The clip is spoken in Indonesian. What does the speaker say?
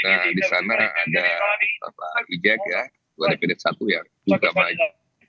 nah di sana ada ejek ya dua definite satu yang juga maju